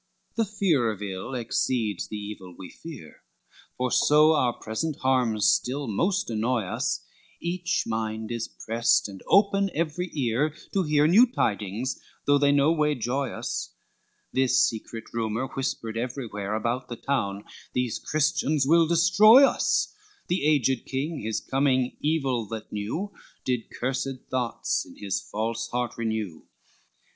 LXXXII The fear of ill exceeds the evil we fear, For so our present harms still most annoy us, Each mind is prest and open every ear To hear new tidings though they no way joy us, This secret rumor whispered everywhere About the town, these Christians will destroy us, The aged king his coming evil that knew, Did cursed thoughts in his false heart renew.